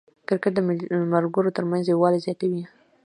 کرکټ د ملګرو ترمنځ یووالی زیاتوي.